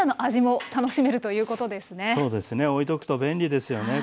そうですねおいとくと便利ですよね